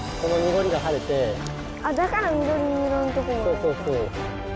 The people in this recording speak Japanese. そうそうそう。